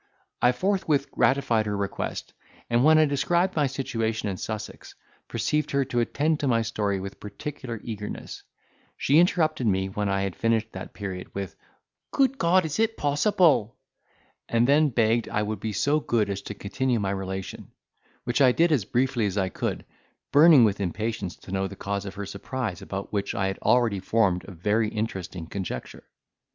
I forthwith gratified her request, and, when I described my situation in Sussex, perceived her to attend to my story with particular eagerness. She interrupted me, when I had finished that period, with, "Good God! is it possible?" and then begged I would be so good as to continue my relation; which I did as briefly as I could, burning with impatience to know the cause of her surprise, about which I had already formed a very interesting conjecture.